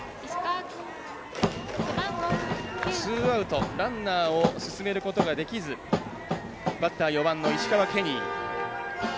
ツーアウト、ランナーを進めることができずバッター４番の石川ケニー。